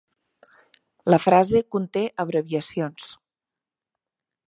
La frase conté abreviacions.